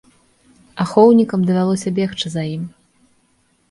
Ахоўнікам давялося бегчы за ім.